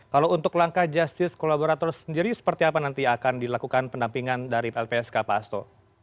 kalau untuk langkah justice kolaborator sendiri seperti apa nanti akan dilakukan pendampingan dari lpsk pak asto